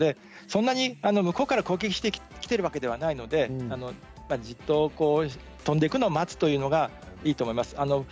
向こうから攻撃してきているわけではないのでじっと飛んでいくのを待つというのがいいと思います。